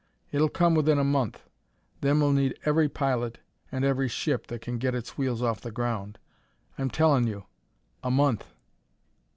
It'll come within a month. Then we'll need every pilot and every ship that can get its wheels off the ground. I'm tellin' you a month!"